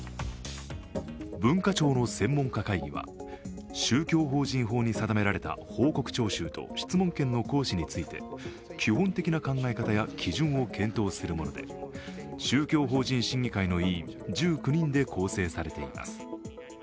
文化庁の専門家会議は宗教法人法に定められた報告徴収と質問権の行使について基本的な考え方や基準を検討するもので宗教法人審議会の委員１９人で構成されています。